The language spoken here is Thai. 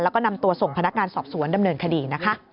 แล้วก็นำตัวส่งพนักงานสอบสวนดำเนินคดีนะคะ